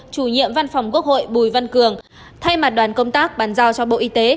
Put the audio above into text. chủ nhiệm văn phòng quốc hội bùi văn cường thay mặt đoàn công tác bàn giao cho bộ y tế